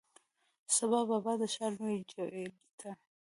سبا بابا د ښار لوی جیل ته،